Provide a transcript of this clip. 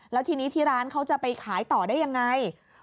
แล้วทีนี้ที่ร้านเขาจะไปขายต่อได้ยังไง